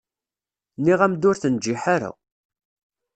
Nniɣ-am-d ur tenǧiḥ ara.